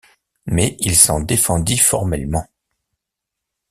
Mais il s’en défendit formellement.